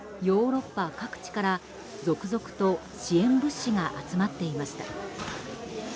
ヨーロッパ各地から続々と支援物資が集まっていました。